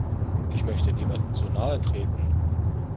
Ich möchte niemandem zu nahe treten.